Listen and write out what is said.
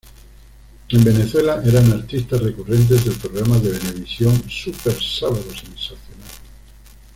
En Venezuela eran artistas recurrentes del programa de Venevisión, "Super Sábado Sensacional".